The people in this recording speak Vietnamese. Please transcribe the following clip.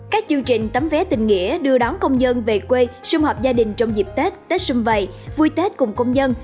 các chương trình tấm vé tình nghĩa đưa đón công nhân về quê xung hợp gia đình trong dịp tết tết xung vầy vui tết cùng công nhân